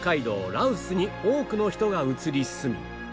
羅臼に多くの人が移り住み